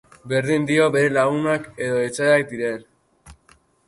Berdin dio bere lagunak edo etsaiak diren.